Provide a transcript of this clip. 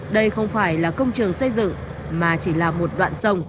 đây không phải là công trường xây dựng mà chỉ là một đoạn sông